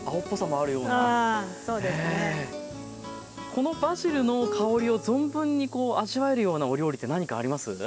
あそうですね。このバジルの香りを存分に味わえるようなお料理って何かあります？